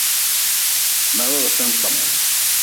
Baba ba sen kpam.